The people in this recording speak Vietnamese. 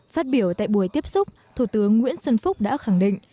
phát biểu tại buổi tiếp xúc thủ tướng nguyễn xuân phúc đã khẳng định